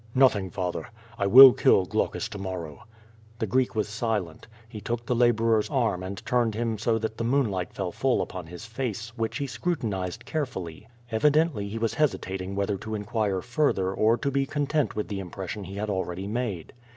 "Nothing, father; I will kill Glaucus to morrow." The Greek was silent. He took the laborer's arm and turned him so that the moonlight fell full upon his face, which he scru tinized carefully. Evidently he was hesitating whether to inquire further or to be content with the impression he had already made.